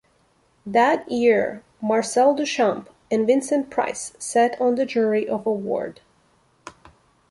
That year, Marcel Duchamp and Vincent Price sat on the jury of award.